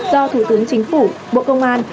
do thủ tướng chính phủ bộ công an